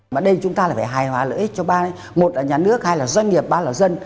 mà đây chúng ta phải hài hòa lợi ích cho ba một là nhà nước hai là doanh nghiệp ba là dân